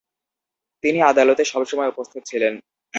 তিনি আদালতে সব সময় উপস্থিত ছিলেন।